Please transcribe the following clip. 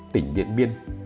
tỉnh điện biên